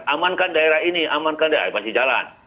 amankan daerah ini amankan daerah masih jalan